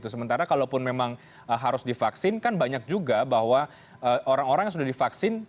sementara kalaupun memang harus divaksin kan banyak juga bahwa orang orang yang sudah divaksin